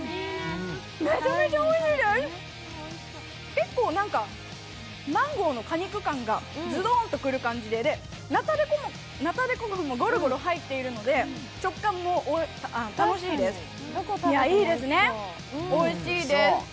結構マンゴーの果肉感がズドーンとくる感じで、ナタデココもごろごろ入っているので食感も楽しいです、いや、いいですね、おいしいです。